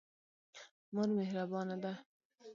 مور مهربانه ده.